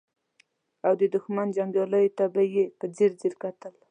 او د دښمن جنګياليو ته به يې په ځير ځير کتل.